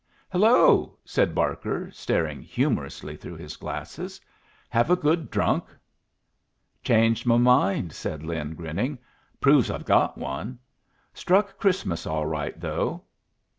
"Hello!" said Barker, staring humorously through his glasses. "Have a good drunk?" "Changed my mind," said Lin, grinning. "Proves I've got one. Struck Christmas all right, though."